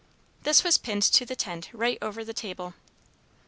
This was pinned to the tent, right over the table.